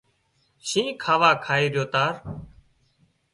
شينهن کاوا کائي ريو تار